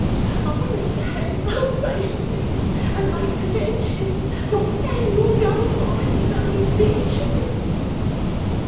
I wouldn't stay oh, gracious me! and make dissensions, not for a annual gold mine, and found in tea and sugar.